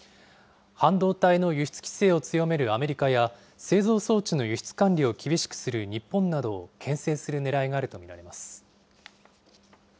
半導体の輸出規制を強めるアメリカや、製造装置の輸出管理を厳しくする日本などをけん制するねらいがあると見られます。